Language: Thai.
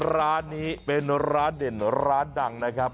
ร้านนี้เป็นร้านเด่นร้านดังนะครับ